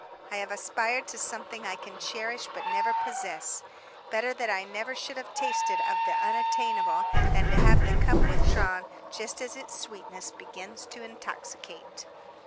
I have aspired to something I can cherish but never possess. Better that I never should have tasted of the unattainable than to have the cup withdrawn just as its sweetness begins to intoxicate."